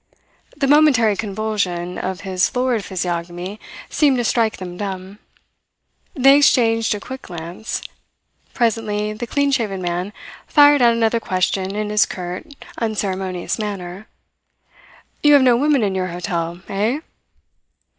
The momentary convulsion of his florid physiognomy seemed to strike them dumb. They exchanged a quick glance. Presently the clean shaven man fired out another question in his curt, unceremonious manner: "You have no women in your hotel, eh?"